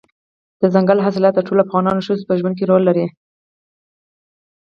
دځنګل حاصلات د ټولو افغان ښځو په ژوند کې رول لري.